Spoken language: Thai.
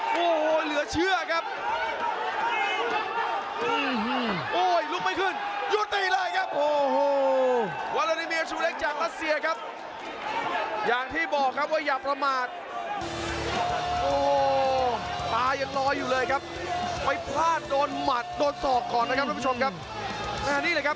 ดูจังหวะเสียบของอิจิ